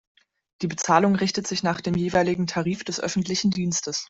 Die Bezahlung richtet sich nach dem jeweiligen Tarif des öffentlichen Dienstes.